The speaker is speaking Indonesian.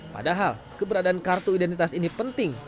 padahal keberadaan kartu identitas ini penting